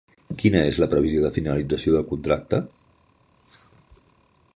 Quina és la previsió de finalització del contracte?